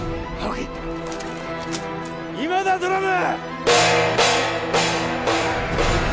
今だドラム！